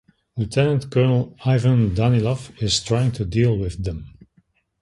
Lieutenant Colonel Ivan Danilov is trying to deal with them.